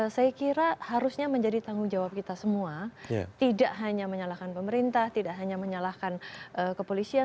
saya kira harusnya menjadi tanggung jawab kita semua tidak hanya menyalahkan pemerintah tidak hanya menyalahkan kepolisian